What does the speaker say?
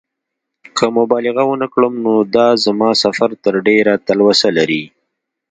که مبالغه ونه کړم دا نو زما سفر ته ډېره تلوسه لري.